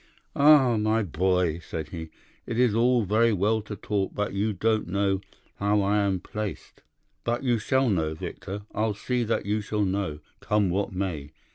"'"Ah, my boy," said he, "it is all very well to talk, but you don't know how I am placed. But you shall know, Victor. I'll see that you shall know, come what may.